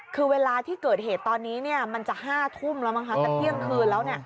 คือเวลาที่เกิดเหตุตอนนี้มันจะ๕ทุ่มแล้วมั้งคะจะเที่ยงคืนแล้ว